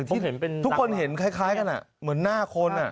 ทุกคนเห็นคล้ายกันเหมือนหน้าคน